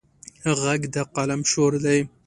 غږ د قلم شور دی